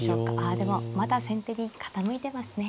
あでもまだ先手に傾いてますね。